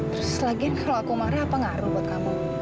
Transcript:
terus lagi kalau aku marah apa ngaruh buat kamu